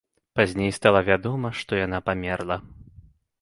Пазней стала вядома, што яна памерла.